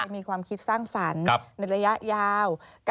มีความคิดสร้างสรรค์ในระยะยาว